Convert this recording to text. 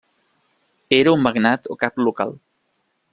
Era un magnat o cap local.